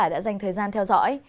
đã dành thời gian theo dõi